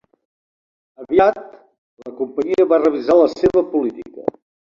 Aviat, la companyia va revisar la seva política.